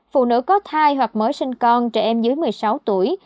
phụ nữ có thai hoặc mở sinh con trẻ em dưới một mươi sáu tuổi